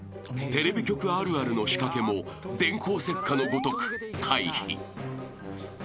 ［テレビ局あるあるの仕掛けも電光石火のごとく回避］